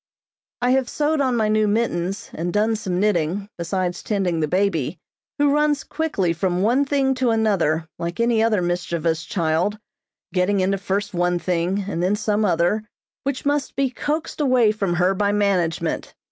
I have sewed on my new mittens, and done some knitting, besides tending the baby, who runs quickly from one thing to another like any other mischievous child, getting into first one thing, and then some other, which must be coaxed away from her by management.